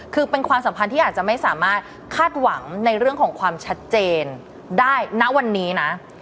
คือเป็นความสัมพันธ์ที่อาจจะไม่สามารถคาดหวังในเรื่องของความชัดเจนได้ณวันนี้นะ